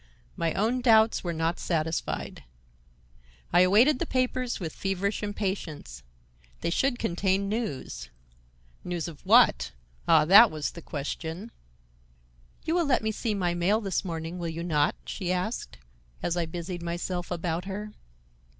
My own doubts were not satisfied. I awaited the papers with feverish impatience. They should contain news. News of what? Ah, that was the question! "You will let me see my mail this morning, will you not?" she asked, as I busied myself about her.